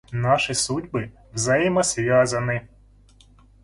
Наши судьбы взаимосвязаны.